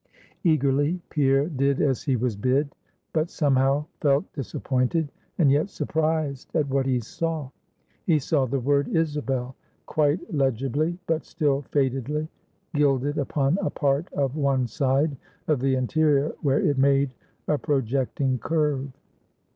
Eagerly Pierre did as he was bid; but somehow felt disappointed, and yet surprised at what he saw. He saw the word Isabel, quite legibly but still fadedly gilded upon a part of one side of the interior, where it made a projecting curve.